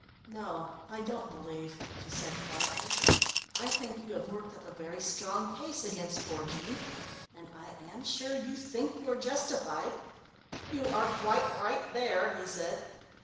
"No, I don't believe," she said quietly. "I think you have worked up a very strong case against poor Jean, and I am sure you think you're justified." "You are quite right there," he said.